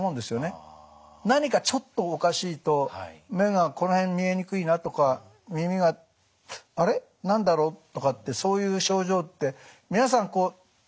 何かちょっとおかしいと目がこの辺見えにくいなとか耳があれ何だろうとかってそういう症状って皆さんこう一日に１回とかね